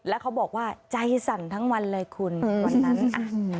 แล้วเขาบอกว่าใจสั่นทั้งวันเลยคุณวันนั้นอ่ะ